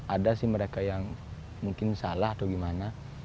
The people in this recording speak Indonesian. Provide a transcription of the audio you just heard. ada sih mereka yang mungkin salah atau gimana